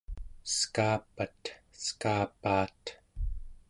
skaapat, skaapaat